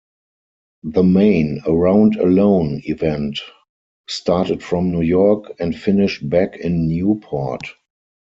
The main "Around Alone" event started from New York, and finished back in Newport.